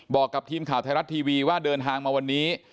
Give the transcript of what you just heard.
บอกกับทีมข่าวไทยรัฐทีวีว่าเดินทางมาวันนี้